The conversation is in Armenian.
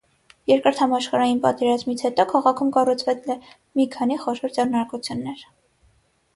Երկրորդ համաշխարհային պատերազմից հետո քաղաքում կառուցվել է մի քանի խոշոր ձեռնարկություններ։